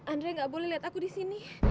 andre nggak boleh lihat aku di sini